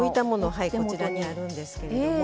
こちらにあるんですけれども。